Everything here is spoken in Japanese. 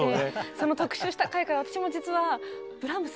その特集した回から私も実はよかった。